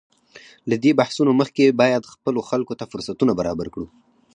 له دې بحثونو مخکې باید خپلو خلکو ته فرصتونه برابر کړو.